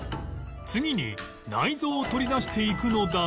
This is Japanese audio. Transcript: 次に内臓を取り出していくのだが